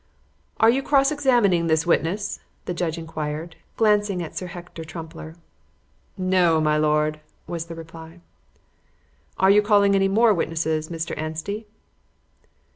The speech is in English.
"Are you cross examining this witness?" the judge inquired, glancing at Sir Hector Trumpler. "No, my lord," was the reply. "Are you calling any more witnesses, Mr. Anstey?"